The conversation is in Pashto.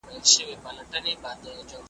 زه به ليکنه کړې وي!